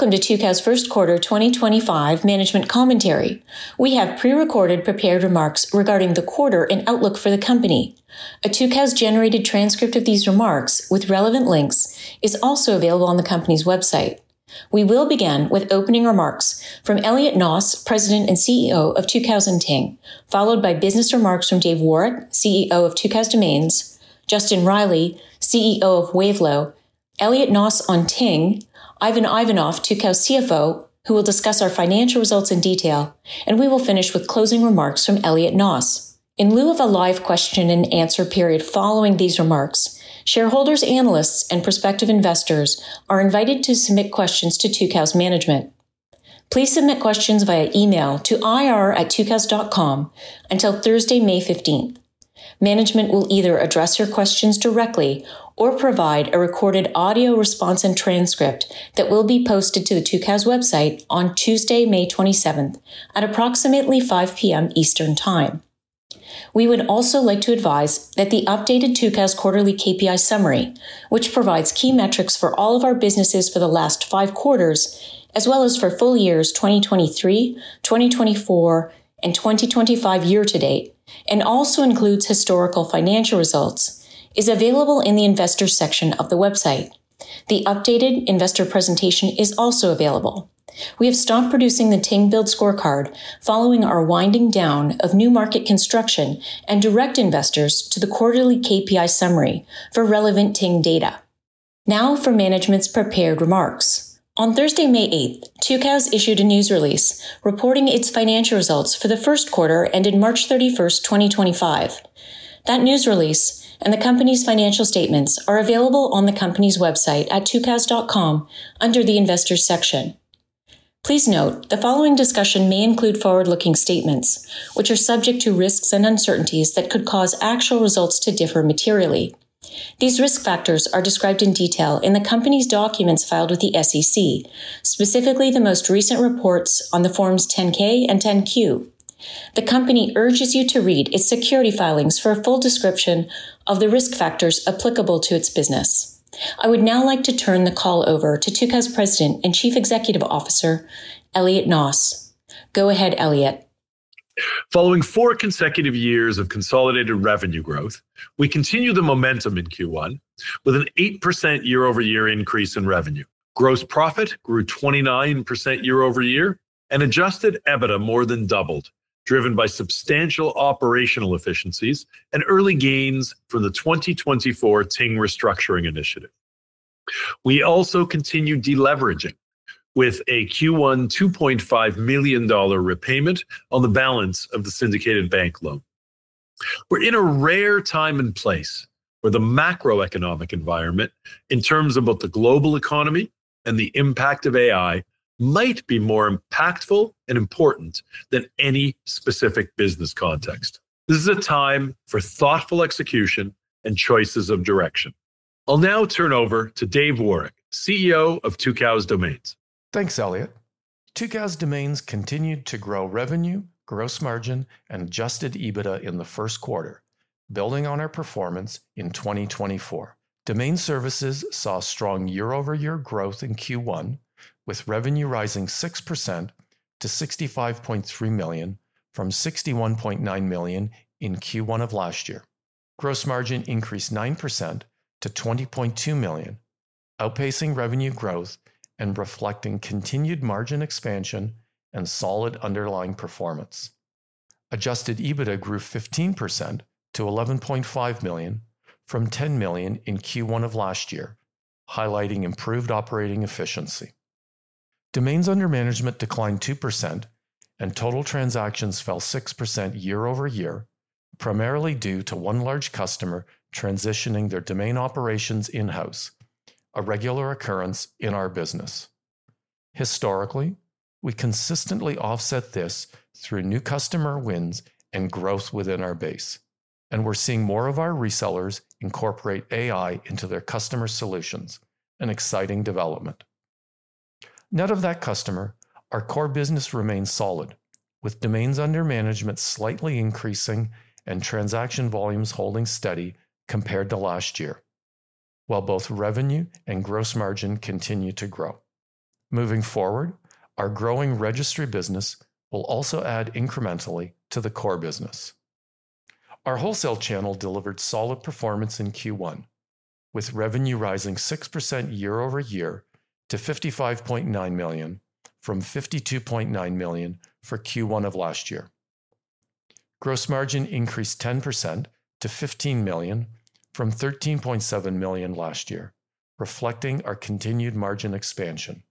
Welcome to Tucows First Quarter 2025 Management Commentary. We have pre-recorded prepared remarks regarding the quarter and outlook for the company. A Tucows-generated transcript of these remarks, with relevant links, is also available on the company's website. We will begin with opening remarks from Elliot Noss, President and CEO of Tucows and Ting, followed by business remarks from Dave Woroch, CEO of Tucows Domains, Justin Reilly, CEO of Wavelo, Elliot Noss on Ting, Ivan Ivanov, Tucows CFO, who will discuss our financial results in detail, and we will finish with closing remarks from Elliot Noss. In lieu of a live question-and-answer period following these remarks, shareholders, analysts, and prospective investors are invited to submit questions to Tucows Management. Please submit questions via email to ir@tucows.com until Thursday, May 15th. Management will either address your questions directly or provide a recorded audio response and transcript that will be posted to the Tucows website on Tuesday, May 27, at approximately 5:00 P.M. Eastern Time. We would also like to advise that the updated Tucows Quarterly KPI Summary, which provides key metrics for all of our businesses for the last five quarters, as well as for full years 2023, 2024, and 2025 year-to-date, and also includes historical financial results, is available in the Investor section of the website. The updated Investor Presentation is also available. We have stopped producing the Ting Build Scorecard following our winding down of new market construction and direct investors to the Quarterly KPI Summary for relevant Ting data. Now for Management's prepared remarks. On Thursday, May 8, Tucows issued a news release reporting its financial results for the first quarter ended March 31, 2025. That news release and the company's financial statements are available on the company's website at tucows.com under the Investors section. Please note the following discussion may include forward-looking statements, which are subject to risks and uncertainties that could cause actual results to differ materially. These risk factors are described in detail in the company's documents filed with the SEC, specifically the most recent reports on the Forms 10-K and 10-Q. The company urges you to read its security filings for a full description of the risk factors applicable to its business. I would now like to turn the call over to Tucows President and Chief Executive Officer, Elliot Noss. Go ahead, Elliot. Following four consecutive years of consolidated revenue growth, we continue the momentum in Q1 with an 8% year-over-year increase in revenue. Gross profit grew 29% year-over-year and adjusted EBITDA more than doubled, driven by substantial operational efficiencies and early gains from the 2024 Ting restructuring initiative. We also continue deleveraging with a Q1 $2.5 million repayment on the balance of the syndicated bank loan. We're in a rare time and place where the macroeconomic environment, in terms of both the global economy and the impact of AI, might be more impactful and important than any specific business context. This is a time for thoughtful execution and choices of direction. I'll now turn over to Dave Woroch, CEO of Tucows Domains. Thanks, Elliot. Tucows Domains continued to grow revenue, gross margin, and adjusted EBITDA in the first quarter, building on our performance in 2024. Domain services saw strong year-over-year growth in Q1, with revenue rising 6% to $65.3 million from $61.9 million in Q1 of last year. Gross margin increased 9% to $20.2 million, outpacing revenue growth and reflecting continued margin expansion and solid underlying performance. Adjusted EBITDA grew 15% to $11.5 million from $10 million in Q1 of last year, highlighting improved operating efficiency. Domains under management declined 2%, and total transactions fell 6% year-over-year, primarily due to one large customer transitioning their domain operations in-house, a regular occurrence in our business. Historically, we consistently offset this through new customer wins and growth within our base, and we're seeing more of our resellers incorporate AI into their customer solutions, an exciting development. Net of that customer, our core business remains solid, with domains under management slightly increasing and transaction volumes holding steady compared to last year, while both revenue and gross margin continue to grow. Moving forward, our growing registry business will also add incrementally to the core business. Our wholesale channel delivered solid performance in Q1, with revenue rising 6% year-over-year to $55.9 million from $52.9 million for Q1 of last year. Gross margin increased 10% to $15 million from $13.7 million last year, reflecting our continued margin expansion.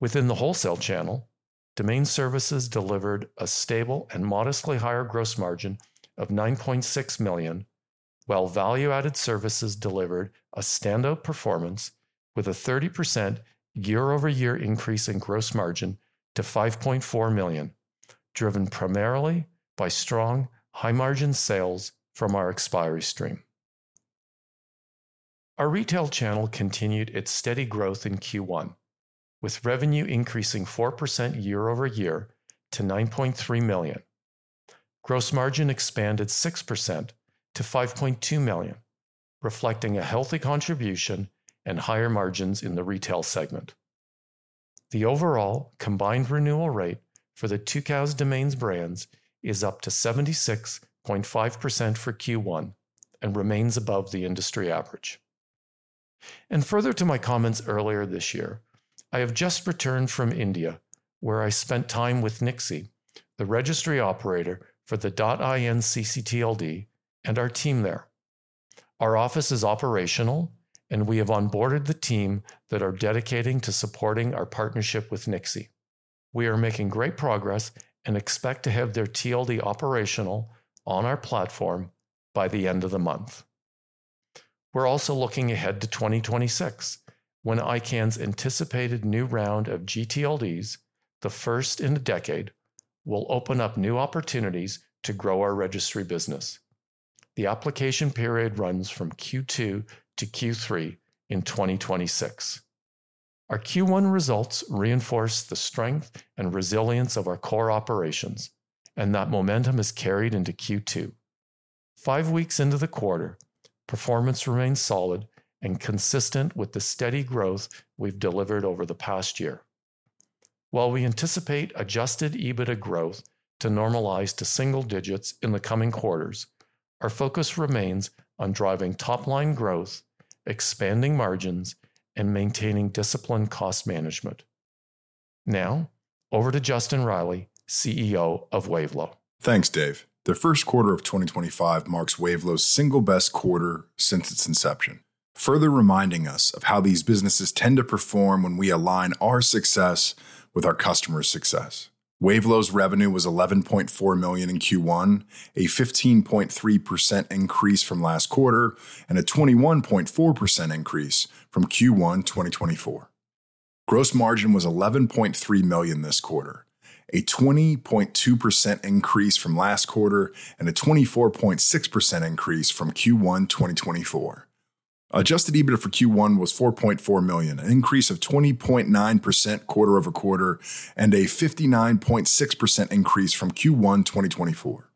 Within the wholesale channel, domain services delivered a stable and modestly higher gross margin of $9.6 million, while value-added services delivered a standout performance with a 30% year-over-year increase in gross margin to $5.4 million, driven primarily by strong, high-margin sales from our expiry stream. Our retail channel continued its steady growth in Q1, with revenue increasing 4% year-over-year to $9.3 million. Gross margin expanded 6% to $5.2 million, reflecting a healthy contribution and higher margins in the retail segment. The overall combined renewal rate for the Tucows Domains brands is up to 76.5% for Q1 and remains above the industry average. Further to my comments earlier this year, I have just returned from India, where I spent time with NIXI, the registry operator for the .in ccTLD and our team there. Our office is operational, and we have onboarded the team that are dedicating to supporting our partnership with NIXI. We are making great progress and expect to have their TLD operational on our platform by the end of the month. We're also looking ahead to 2026, when ICANN's anticipated new round of gTLDs, the first in a decade, will open up new opportunities to grow our registry business. The application period runs from Q2 to Q3 in 2026. Our Q1 results reinforced the strength and resilience of our core operations, and that momentum is carried into Q2. Five weeks into the quarter, performance remains solid and consistent with the steady growth we've delivered over the past year. While we anticipate adjusted EBITDA growth to normalize to single digits in the coming quarters, our focus remains on driving top-line growth, expanding margins, and maintaining disciplined cost management. Now, over to Justin Reilly, CEO of Wavelo. Thanks, Dave. The first quarter of 2025 marks Wavelo's single best quarter since its inception, further reminding us of how these businesses tend to perform when we align our success with our customer's success. Wavelo's revenue was $11.4 million in Q1, a 15.3% increase from last quarter, and a 21.4% increase from Q1 2024. Gross margin was $11.3 million this quarter, a 20.2% increase from last quarter, and a 24.6% increase from Q1 2024. Adjusted EBITDA for Q1 was $4.4 million, an increase of 20.9% quarter over quarter, and a 59.6% increase from Q1 2024.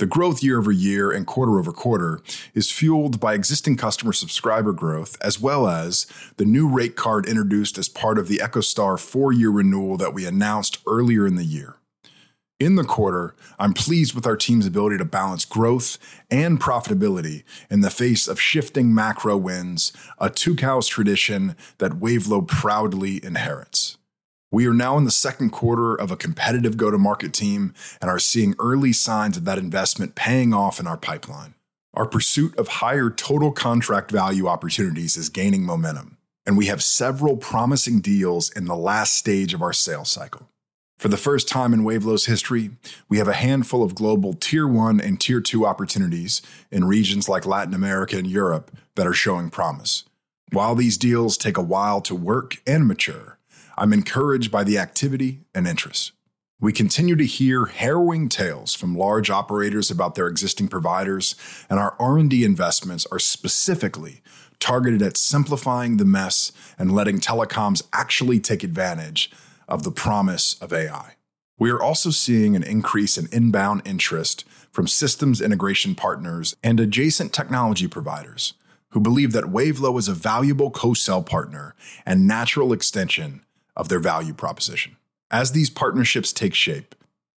The growth year-over-year and quarter over quarter is fueled by existing customer subscriber growth, as well as the new rate card introduced as part of the EchoStar four-year renewal that we announced earlier in the year. In the quarter, I'm pleased with our team's ability to balance growth and profitability in the face of shifting macro winds, a Tucows tradition that Wavelo proudly inherits. We are now in the 2nd quarter of a competitive go-to-market team and are seeing early signs of that investment paying off in our pipeline. Our pursuit of higher total contract value opportunities is gaining momentum, and we have several promising deals in the last stage of our sales cycle. For the first time in Wavelo's history, we have a handful of global Tier 1 and Tier 2 opportunities in regions like Latin America and Europe that are showing promise. While these deals take a while to work and mature, I'm encouraged by the activity and interest. We continue to hear harrowing tales from large operators about their existing providers, and our R&D investments are specifically targeted at simplifying the mess and letting telecoms actually take advantage of the promise of AI. We are also seeing an increase in inbound interest from systems integration partners and adjacent technology providers who believe that Wavelo is a valuable co-sell partner and natural extension of their value proposition. As these partnerships take shape,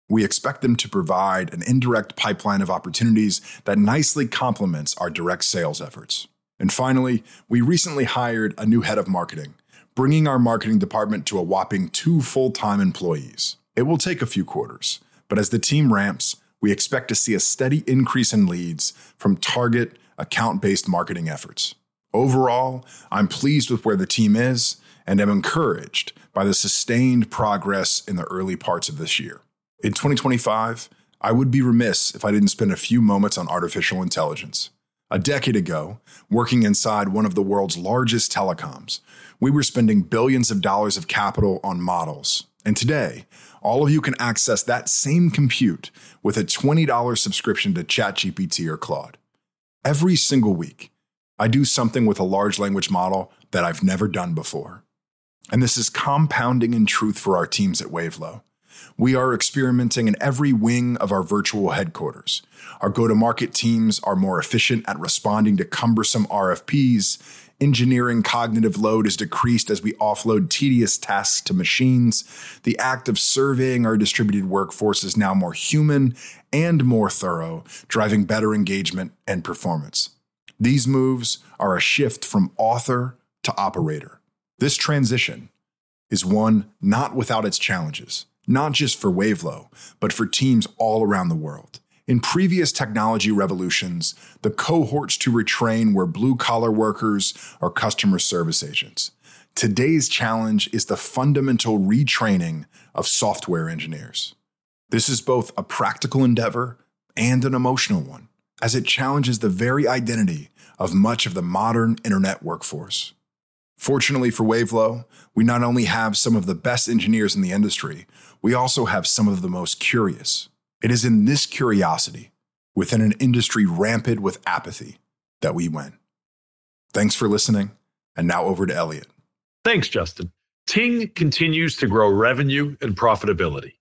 we expect them to provide an indirect pipeline of opportunities that nicely complements our direct sales efforts. Finally, we recently hired a new head of marketing, bringing our marketing department to a whopping two full-time employees. It will take a few quarters, but as the team ramps, we expect to see a steady increase in leads from target account-based marketing efforts. Overall, I'm pleased with where the team is and am encouraged by the sustained progress in the early parts of this year. In 2025, I would be remiss if I didn't spend a few moments on artificial intelligence. A decade ago, working inside one of the world's largest telecoms, we were spending billions of dollars of capital on models, and today, all of you can access that same compute with a $20 subscription to ChatGPT or Claude. Every single week, I do something with a large language model that I've never done before, and this is compounding in truth for our teams at Wavelo. We are experimenting in every wing of our virtual headquarters. Our go-to-market teams are more efficient at responding to cumbersome RFPs. Engineering cognitive load is decreased as we offload tedious tasks to machines. The act of surveying our distributed workforce is now more human and more thorough, driving better engagement and performance. These moves are a shift from author to operator. This transition is one not without its challenges, not just for Wavelo, but for teams all around the world. In previous technology revolutions, the cohorts to retrain were blue-collar workers or customer service agents. Today's challenge is the fundamental retraining of software engineers. This is both a practical endeavor and an emotional one, as it challenges the very identity of much of the modern internet workforce. Fortunately for Wavelo, we not only have some of the best engineers in the industry, we also have some of the most curious. It is in this curiosity, within an industry rampant with apathy, that we win. Thanks for listening, and now over to Elliot. Thanks, Justin. Ting continues to grow revenue and profitability.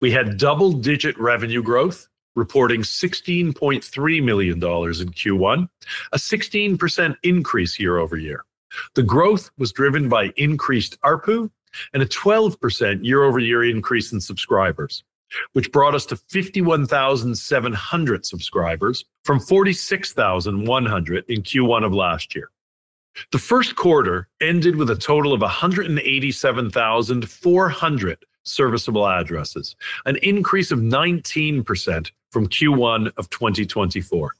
We had double-digit revenue growth, reporting $16.3 million in Q1, a 16% increase year-over-year. The growth was driven by increased ARPU and a 12% year-over-year increase in subscribers, which brought us to 51,700 subscribers from 46,100 in Q1 of last year. The first quarter ended with a total of 187,400 serviceable addresses, an increase of 19% from Q1 of 2024.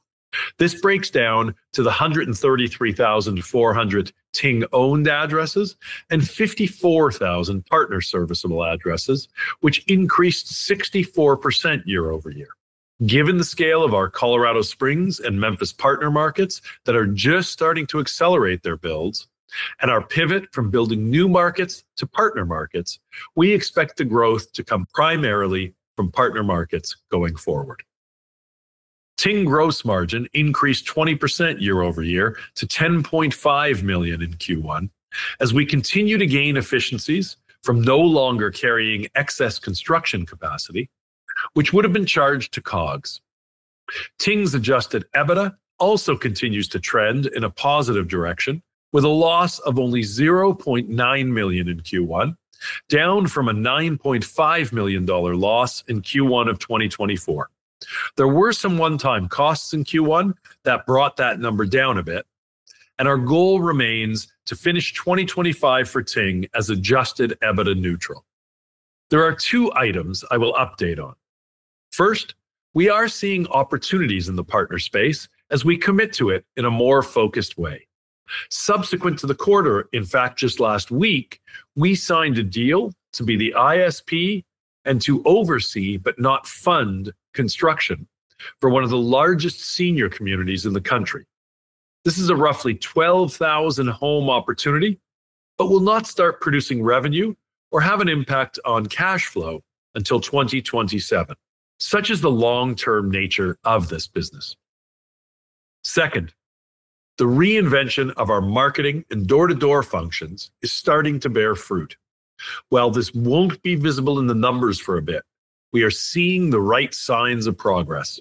This breaks down to the 133,400 Ting-owned addresses and 54,000 partner serviceable addresses, which increased 64% year-over-year. Given the scale of our Colorado Springs and Memphis partner markets that are just starting to accelerate their builds and our pivot from building new markets to partner markets, we expect the growth to come primarily from partner markets going forward. Ting gross margin increased 20% year-over-year to $10.5 million in Q1 as we continue to gain efficiencies from no longer carrying excess construction capacity, which would have been charged to COGS. Ting's adjusted EBITDA also continues to trend in a positive direction, with a loss of only $0.9 million in Q1, down from a $9.5 million loss in Q1 of 2024. There were some one-time costs in Q1 that brought that number down a bit, and our goal remains to finish 2025 for Ting as adjusted EBITDA neutral. There are two items I will update on. First, we are seeing opportunities in the partner space as we commit to it in a more focused way. Subsequent to the quarter, in fact, just last week, we signed a deal to be the ISP and to oversee, but not fund, construction for one of the largest senior communities in the country. This is a roughly 12,000-home opportunity, but will not start producing revenue or have an impact on cash flow until 2027, such is the long-term nature of this business. Second, the reinvention of our marketing and door-to-door functions is starting to bear fruit. While this won't be visible in the numbers for a bit, we are seeing the right signs of progress.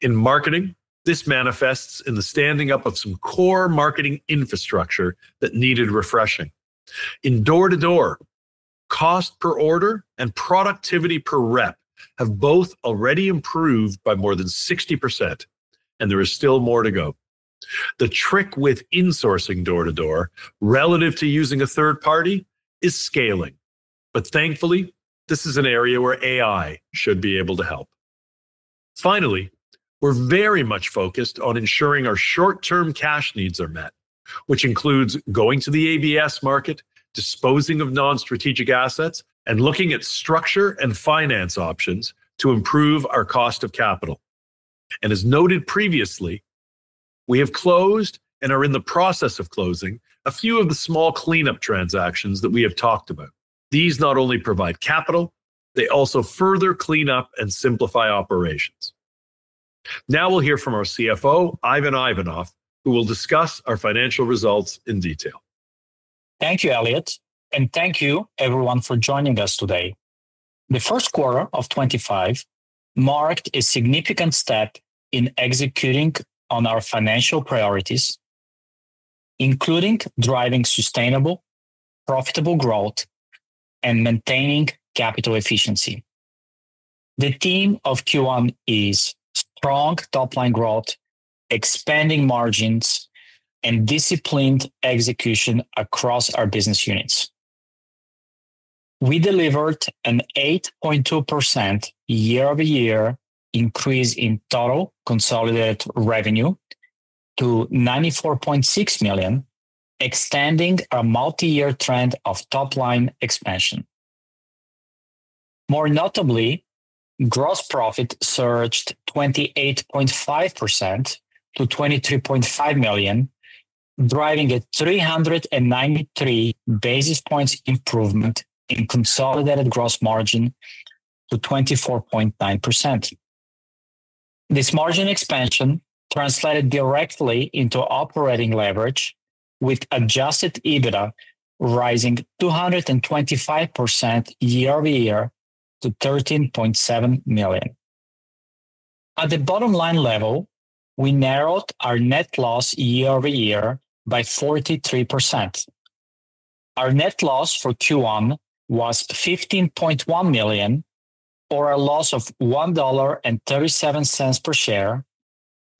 In marketing, this manifests in the standing up of some core marketing infrastructure that needed refreshing. In door-to-door, cost per order and productivity per rep have both already improved by more than 60%, and there is still more to go. The trick with insourcing door-to-door relative to using a third party is scaling, but thankfully, this is an area where AI should be able to help. Finally, we're very much focused on ensuring our short-term cash needs are met, which includes going to the ABS market, disposing of non-strategic assets, and looking at structure and finance options to improve our cost of capital. As noted previously, we have closed and are in the process of closing a few of the small cleanup transactions that we have talked about. These not only provide capital, they also further clean up and simplify operations. Now we'll hear from our CFO, Ivan Ivanov, who will discuss our financial results in detail. Thank you, Elliot, and thank you, everyone, for joining us today. The first quarter of 2025 marked a significant step in executing on our financial priorities, including driving sustainable, profitable growth, and maintaining capital efficiency. The theme of Q1 is strong top-line growth, expanding margins, and disciplined execution across our business units. We delivered an 8.2% year-over-year increase in total consolidated revenue to $94.6 million, extending our multi-year trend of top-line expansion. More notably, gross profit surged 28.5% to $23.5 million, driving a 393 basis points improvement in consolidated gross margin to 24.9%. This margin expansion translated directly into operating leverage, with adjusted EBITDA rising 225% year-over-year to $13.7 million. At the bottom-line level, we narrowed our net loss year-over-year by 43%. Our net loss for Q1 was $15.1 million, or a loss of $1.37 per share,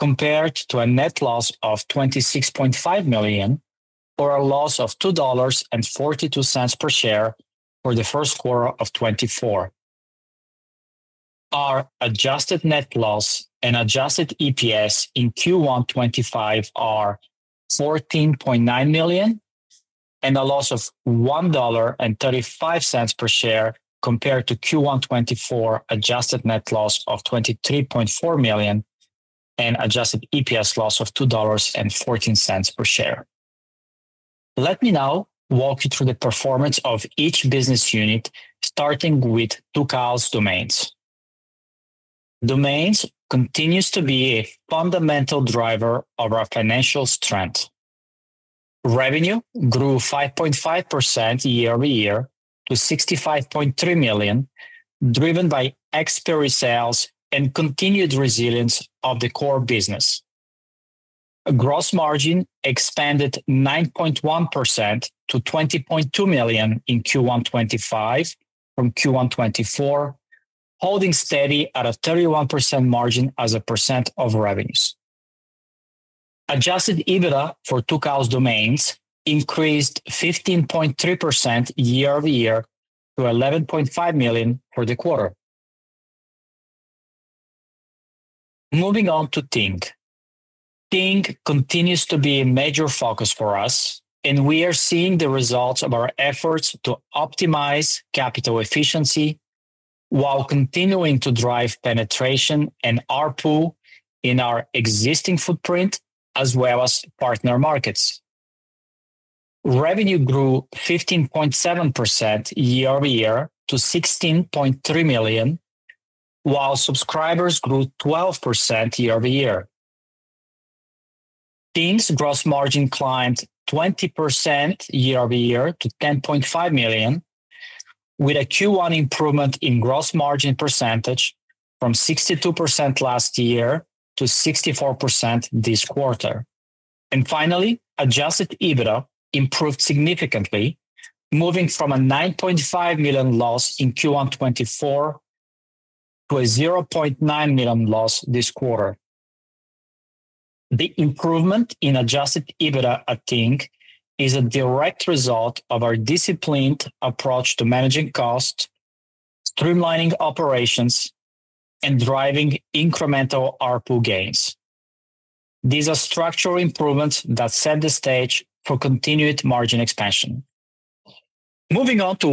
compared to a net loss of $26.5 million, or a loss of $2.42 per share for the first quarter of 2024. Our adjusted net loss and adjusted EPS in Q1 2025 are $14.9 million, and a loss of $1.35 per share compared to Q1 2024 adjusted net loss of $23.4 million, and adjusted EPS loss of $2.14 per share. Let me now walk you through the performance of each business unit, starting with Tucows Domains. Domains continues to be a fundamental driver of our financial strength. Revenue grew 5.5% year-over-year to $65.3 million, driven by expiry sales and continued resilience of the core business. Gross margin expanded 9.1% to $20.2 million in Q1 2025 from Q1 2024, holding steady at a 31% margin as a percent of revenues. Adjusted EBITDA for Tucows Domains increased 15.3% year-over-year to $11.5 million for the quarter. Moving on to Ting. Ting continues to be a major focus for us, and we are seeing the results of our efforts to optimize capital efficiency while continuing to drive penetration and ARPU in our existing footprint, as well as partner markets. Revenue grew 15.7% year-over-year to $16.3 million, while subscribers grew 12% year-over-year. Ting's gross margin climbed 20% year-over-year to $10.5 million, with a Q1 improvement in gross margin percentage from 62% last year to 64% this quarter. Finally, adjusted EBITDA improved significantly, moving from a $9.5 million loss in Q1 2024 to a $0.9 million loss this quarter. The improvement in adjusted EBITDA at Ting is a direct result of our disciplined approach to managing costs, streamlining operations, and driving incremental ARPU gains. These are structural improvements that set the stage for continued margin expansion. Moving on to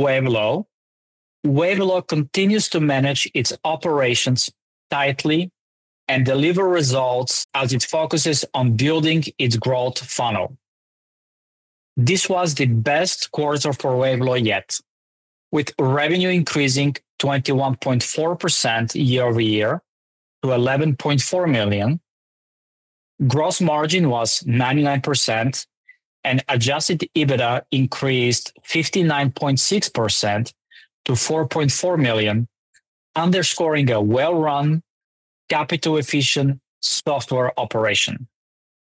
Wavelo, Wavelo continues to manage its operations tightly and deliver results as it focuses on building its growth funnel. This was the best quarter for Wavelo yet, with revenue increasing 21.4% year-over-year to $11.4 million. Gross margin was 99%, and adjusted EBITDA increased 59.6% to $4.4 million, underscoring a well-run, capital-efficient software operation.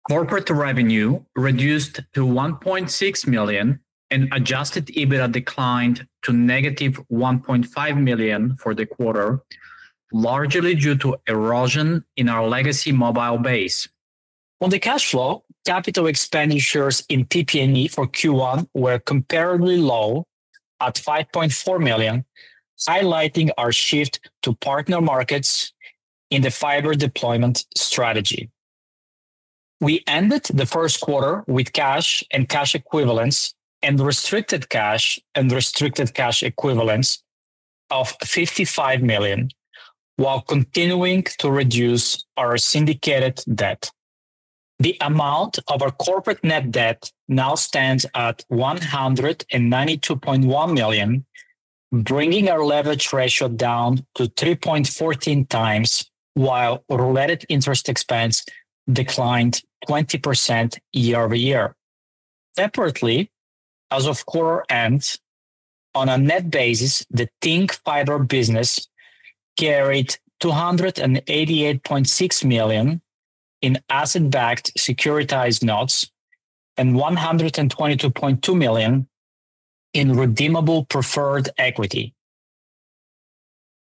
Corporate revenue reduced to $1.6 million, and adjusted EBITDA declined to negative $1.5 million for the quarter, largely due to erosion in our legacy mobile base. On the cash flow, capital expenditures in PP&E for Q1 were comparably low at $5.4 million, highlighting our shift to partner markets in the fiber deployment strategy. We ended the first quarter with cash and cash equivalents and restricted cash and restricted cash equivalents of $55 million, while continuing to reduce our syndicated debt. The amount of our corporate net debt now stands at $192.1 million, bringing our leverage ratio down to 3.14 times, while related interest expense declined 20% year-over-year. Separately, as of quarter end, on a net basis, the Ting fiber business carried $288.6 million in asset-backed securitized notes and $122.2 million in redeemable preferred equity.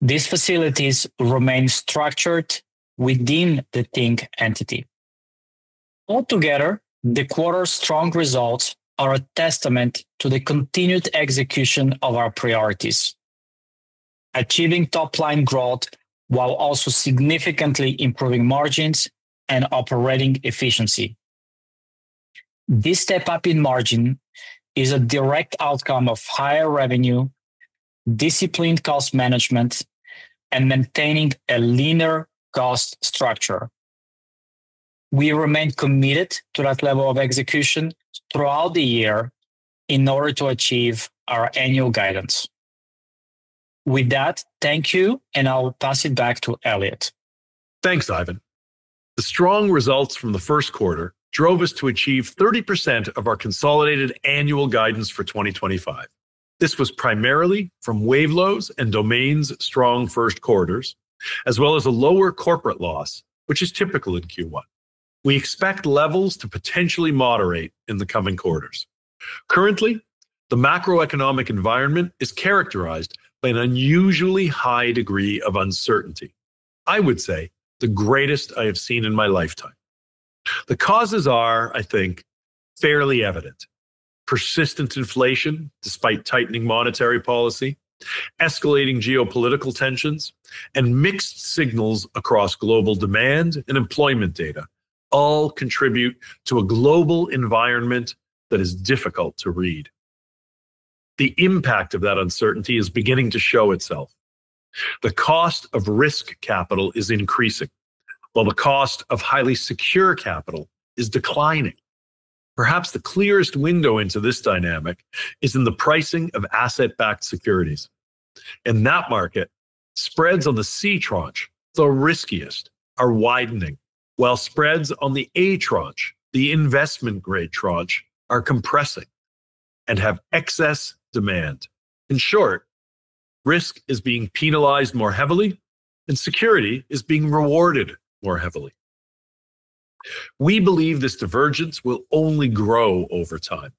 These facilities remain structured within the Ting entity. Altogether, the quarter's strong results are a testament to the continued execution of our priorities, achieving top-line growth while also significantly improving margins and operating efficiency. This step-up in margin is a direct outcome of higher revenue, disciplined cost management, and maintaining a leaner cost structure. We remain committed to that level of execution throughout the year in order to achieve our annual guidance. With that, thank you, and I'll pass it back to Elliot. Thanks, Ivan. The strong results from the first quarter drove us to achieve 30% of our consolidated annual guidance for 2025. This was primarily from Wavelo's and Domains' strong first quarters, as well as a lower corporate loss, which is typical in Q1. We expect levels to potentially moderate in the coming quarters. Currently, the macroeconomic environment is characterized by an unusually high degree of uncertainty. I would say the greatest I have seen in my lifetime. The causes are, I think, fairly evident. Persistent inflation, despite tightening monetary policy, escalating geopolitical tensions, and mixed signals across global demand and employment data all contribute to a global environment that is difficult to read. The impact of that uncertainty is beginning to show itself. The cost of risk capital is increasing, while the cost of highly secure capital is declining. Perhaps the clearest window into this dynamic is in the pricing of asset-backed securities. In that market, spreads on the C tranche, the riskiest, are widening, while spreads on the A tranche, the investment-grade tranche, are compressing and have excess demand. In short, risk is being penalized more heavily, and security is being rewarded more heavily. We believe this divergence will only grow over time.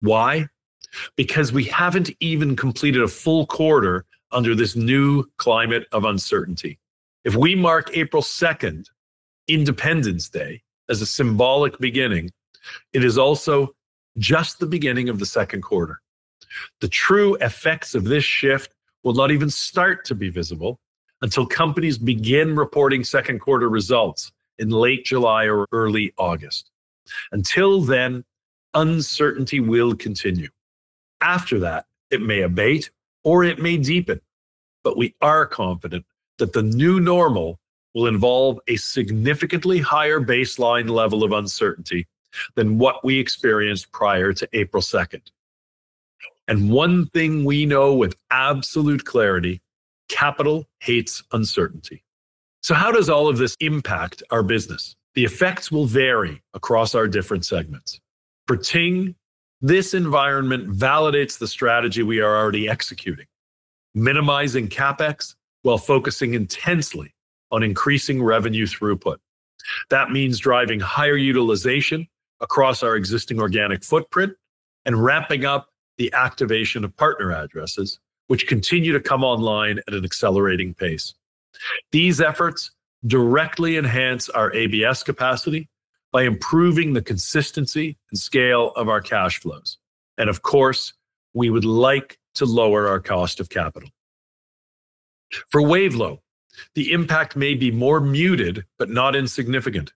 Why? Because we have not even completed a full quarter under this new climate of uncertainty. If we mark April 2nd, Independence Day, as a symbolic beginning, it is also just the beginning of the second quarter. The true effects of this shift will not even start to be visible until companies begin reporting second quarter results in late July or early August. Until then, uncertainty will continue. After that, it may abate, or it may deepen, but we are confident that the new normal will involve a significantly higher baseline level of uncertainty than what we experienced prior to April 2nd. One thing we know with absolute clarity: capital hates uncertainty. How does all of this impact our business? The effects will vary across our different segments. For Ting, this environment validates the strategy we are already executing, minimizing CapEx while focusing intensely on increasing revenue throughput. That means driving higher utilization across our existing organic footprint and ramping up the activation of partner addresses, which continue to come online at an accelerating pace. These efforts directly enhance our ABS capacity by improving the consistency and scale of our cash flows. Of course, we would like to lower our cost of capital. For Wavelo, the impact may be more muted, but not insignificant.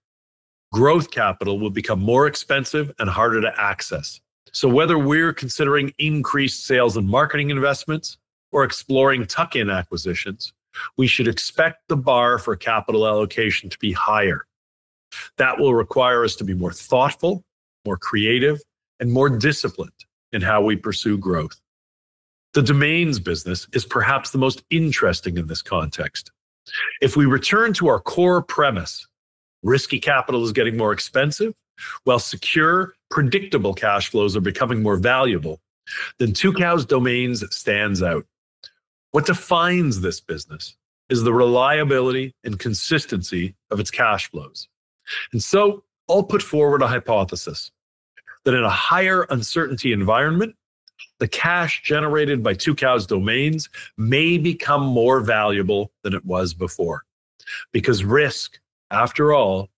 Growth capital will become more expensive and harder to access. Whether we're considering increased sales and marketing investments or exploring tuck-in acquisitions, we should expect the bar for capital allocation to be higher. That will require us to be more thoughtful, more creative, and more disciplined in how we pursue growth. The Domains business is perhaps the most interesting in this context. If we return to our core premise, risky capital is getting more expensive, while secure, predictable cash flows are becoming more valuable, then Tucows Domains stands out. What defines this business is the reliability and consistency of its cash flows. I'll put forward a hypothesis that in a higher uncertainty environment, the cash generated by Tucows Domains may become more valuable than it was before, because risk, after all,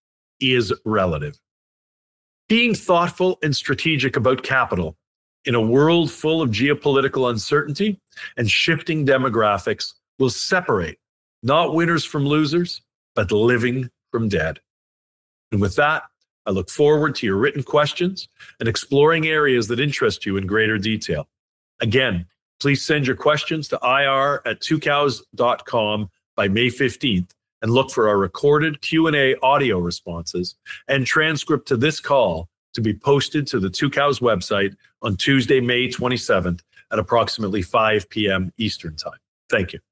is relative. Being thoughtful and strategic about capital in a world full of geopolitical uncertainty and shifting demographics will separate not winners from losers, but living from dead. With that, I look forward to your written questions and exploring areas that interest you in greater detail. Again, please send your questions to ir@tucows.com by May 15th, and look for our recorded Q&A audio responses and transcript to this call to be posted to the Tucows website on Tuesday, May 27th, at approximately 5:00 P.M. Eastern Time. Thank you.